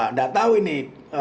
nggak tahu ini